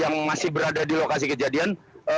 yang masih berada di lokasi kejadian